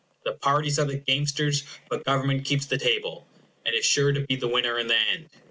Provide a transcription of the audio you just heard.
The parties are the gamesters; but Government keeps the table, and is sure to be the winner in the end.